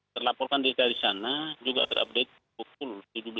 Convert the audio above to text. terlaporkan dari sana juga terupdate pukul tujuh belas